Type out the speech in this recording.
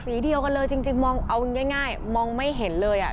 สีเดียวกันเลยจริงมองเอาง่ายมองไม่เห็นเลย